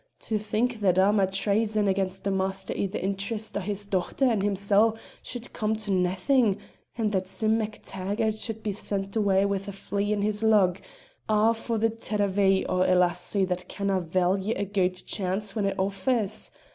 To think that a' my traison against the master i' the interest o' his dochter and himsel' should come to naethin', and that Sim MacTaggart should be sent awa' wi' a flea in his lug, a' for the tirravee o' a lassie that canna' value a guid chance when it offers!